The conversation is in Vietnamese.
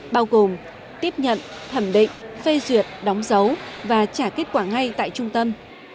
bao gồm tiếp nhận thẩm định phê duyệt đóng dấu và trả kết quả ngay tại trung tâm